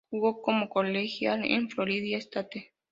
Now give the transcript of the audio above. Jugó como colegial en Florida State.